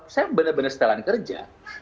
saya bener bener setelan kerja